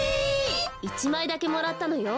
１まいだけもらったのよ。